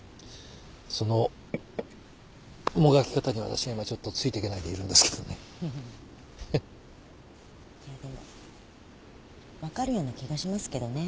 そのもがき方に私は今ちょっとついてけないでいるんですけどね。でも分かるような気がしますけどね。